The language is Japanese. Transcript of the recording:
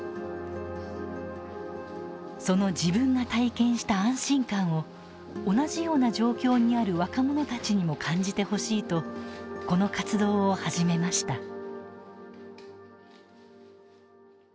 その自分が体験した安心感を同じような状況にある若者たちにも感じてほしいとこの活動を始めました。